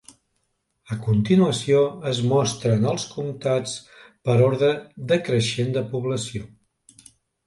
A continuació, es mostren els comtats per ordre decreixent de població.